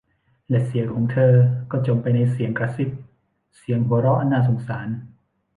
และเสียงของเธอก็จมไปในเสียงกระซิบ เสียงหัวเราะอันน่าสงสาร